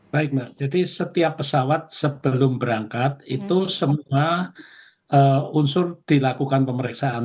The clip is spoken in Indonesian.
baik mbak jadi setiap pesawat sebelum berangkat itu semua unsur dilakukan pemeriksaan